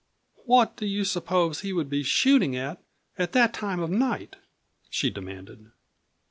"What do you suppose he would be shooting at at that time of the night?" she demanded.